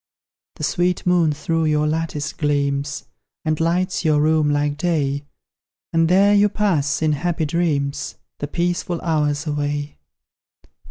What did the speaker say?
The sweet moon through your lattice gleams, And lights your room like day; And there you pass, in happy dreams, The peaceful hours away!